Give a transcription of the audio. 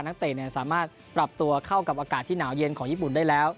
นักเตะสามารถปรับตัวเข้ากับอากาศที่หนาวเย็นของญี่ปุ่นได้แล้ว